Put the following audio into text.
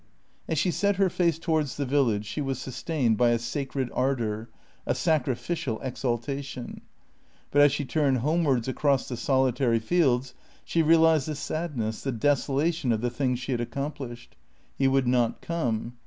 As she set her face towards the village, she was sustained by a sacred ardour, a sacrificial exaltation. But as she turned homewards across the solitary fields, she realised the sadness, the desolation of the thing she had accomplished. He would not come.